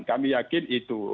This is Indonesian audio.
kami yakin itu